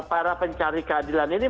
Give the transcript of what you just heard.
para pencari keadilan ini